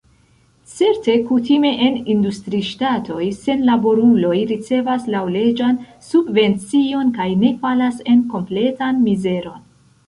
Certe, kutime en industriŝtatoj senlaboruloj ricevas laŭleĝan subvencion kaj ne falas en kompletan mizeron.